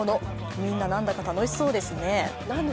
みんな何だか楽しそうですね。